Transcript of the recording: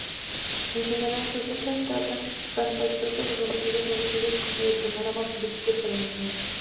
En general, sus letras tratan tanto aspectos sociales comprometidos como del panorama político estadounidense.